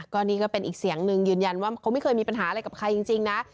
ก็นี่ก็เป็นอีกเสียงหนึ่งยืนยันว่าเขาไม่เคยมีปัญหาอะไรกับใครจริงนะ